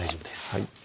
はい